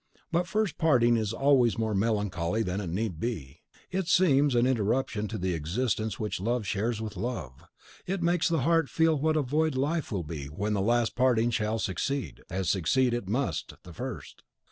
But first parting is always more melancholy than it need be: it seems an interruption to the existence which Love shares with Love; it makes the heart feel what a void life will be when the last parting shall succeed, as succeed it must, the first.